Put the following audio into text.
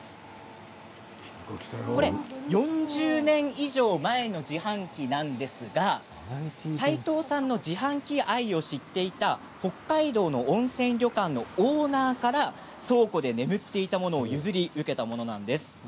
４０年以上前の自販機なんですが斎藤さんの自販機愛を知っていた北海道の温泉旅館のオーナーから倉庫で眠っていたものを譲り受けたものなんです。